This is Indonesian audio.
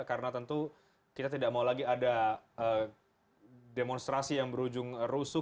karena tentu kita tidak mau lagi ada demonstrasi yang berujung rusuh